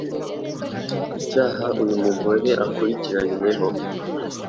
icyaha uyu mugore akurikiranyweho